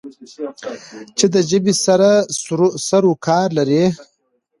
چې د ژبې سره سرو کار لری